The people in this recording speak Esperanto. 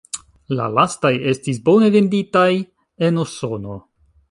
La lastaj estis bone venditaj en Usono.